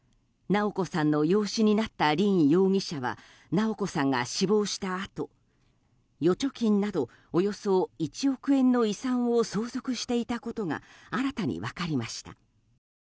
直子さんの養子になった凜容疑者は直子さんが死亡したあと預貯金などおよそ１億円の遺産を相続していたことが新たに分かりました。